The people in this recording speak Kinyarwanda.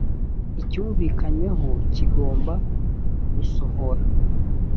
icyumvikanyweho kigomba gusohora.